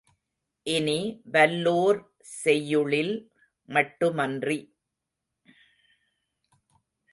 இனி, வல்லோர் செய்யுளில் மட்டுமன்றி